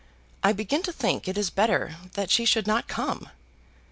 I begin to think it is better that she should not come."